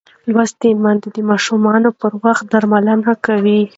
لوستې میندې د ماشوم پر وخت درملنه کوي.